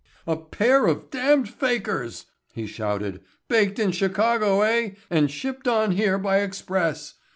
"A pair of damned fakirs," he shouted. "Baked in Chicago, eh, and shipped on here by express!